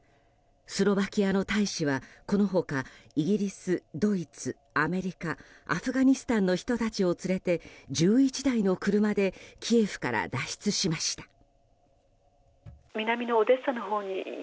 スロバキアの大使はこの他イギリス、ドイツ、アメリカアフガニスタンの人たちを連れて１１台の車でキエフから脱出しました。